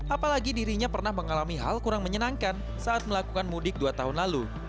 apalagi dirinya pernah mengalami hal kurang menyenangkan saat melakukan mudik dua tahun lalu